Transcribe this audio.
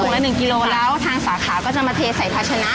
ละ๑กิโลแล้วทางสาขาก็จะมาเทใส่ภาชนะ